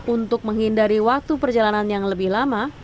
untuk menghindari waktu perjalanan yang lebih lama